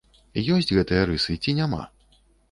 Ёсць гэтыя рысы ці няма?